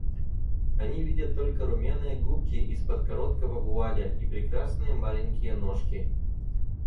Они видят только румяные губки из-под короткого вуаля и прекрасные маленькие ножки.